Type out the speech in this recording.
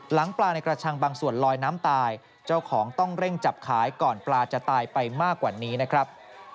หลังปลาในกระชังบางส่วนลอยน้ำตายเจ้าของต้องเร่งจับขายก่อนปลาจะตายไปมากกว่านี้นะครับ